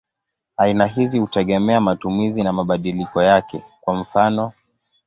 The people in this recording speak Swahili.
Aina hizi hutegemea matumizi na mabadiliko yake; kwa mfano.